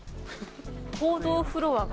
報道フロアが。